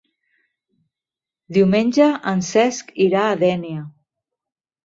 Diumenge en Cesc irà a Dénia.